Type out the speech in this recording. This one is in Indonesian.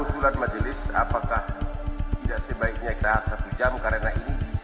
ya terima kasih pak di waktu ini